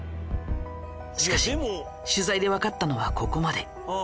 しかし取材でわかったのはここまで。